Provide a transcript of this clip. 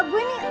ada gini tuh